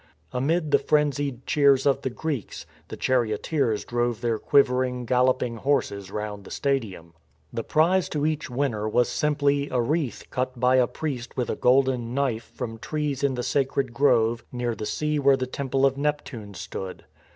Amid the frenzied cheers of the Greeks, the charioteers drove their quivering galloping horses round the stadium. The prize to each winner was simply a wreath cut by a priest with a golden knife from trees in the sacred grove near the sea where the Temple of Neptune stood.